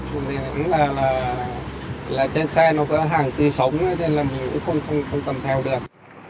thì cũng là trên xe nó có hàng tỷ sống nên là mình cũng không tầm theo được